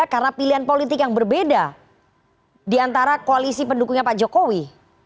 karena pilihan politik yang berbeda di antara koalisi pendukungnya pak jokowi